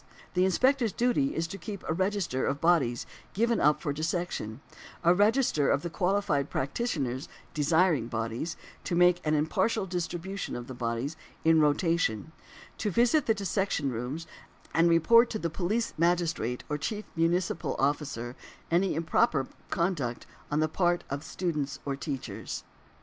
The Inspector's duty is to keep a register of bodies given up for dissection; a register of the qualified practitioners desiring bodies; to make an impartial distribution of the bodies in rotation; to visit the dissection rooms, and to report to the police magistrate or chief municipal officer, any improper conduct on the part of students or teachers .